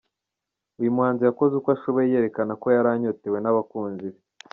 Uyu muhanzi yakoze uko ashoboye yerekana ko yari anyotewe n’abakunzi be.